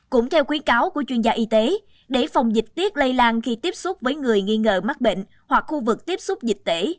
cũng theo khuyến cáo của chuyên gia y tế để phòng dịch tiết lây lan khi tiếp xúc với người nghi ngờ mắc bệnh hoặc khu vực tiếp xúc dịch tễ